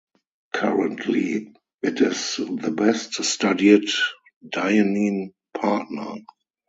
Currently, it is the best studied dynein partner.